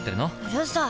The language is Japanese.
うるさい！